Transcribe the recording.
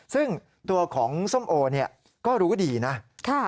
ซึ่งตัวของส้มโอเนี่ยก็รู้ดีนะ